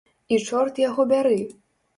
І чорт яго бяры!